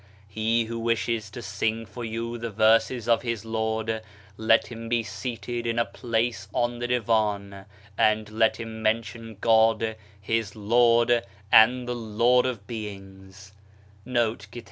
He who wishes to sing for you the verses of his Lord, let him be seated in a place on the divan, and let him mention God, his Lord and the Lord of beings."